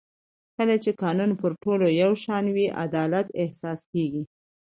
کله چې قانون پر ټولو یو شان وي عدالت احساس کېږي